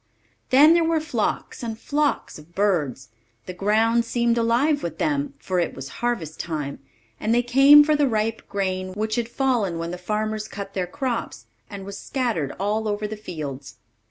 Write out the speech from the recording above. Then there were flocks and flocks of birds; the ground seemed alive with them, for it was harvest time, and they came for the ripe grain which had fallen when the farmers cut their crops, and was scattered all over the fields.